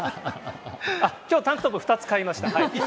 あっきょう、タンクトップ２つ買いました。